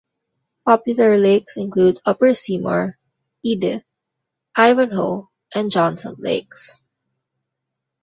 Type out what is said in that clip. Popular lakes include Upper Seymour, Edith, Ivanhoe and Johnson Lakes.